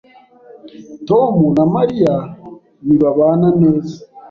Tom na Mariya ntibabana neza.